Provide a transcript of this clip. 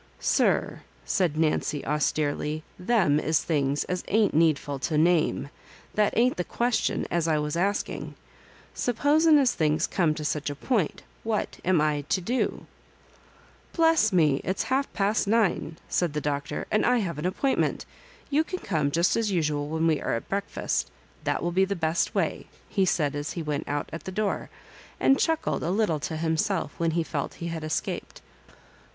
'*Sir," said Nancy, austerely, "them is things as ain't needful to name; that ain't the ques tion as I was asking. Sapposin' as things come to such a pdnt, what am I to do ?'* "Bless me I it's half past nine," said the Doc tor, " and I have an appointment You can come just as usual when we are at breakfast, that will be the best way," he said as he went out at the door, and chuckled a little to himself when he felt he had escaped.